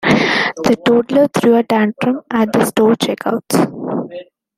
The toddler threw a tantrum at the store checkouts.